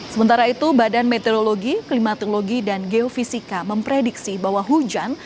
sementara itu badan meteorologi klimatologi dan geofisika memprediksi bahwa hujan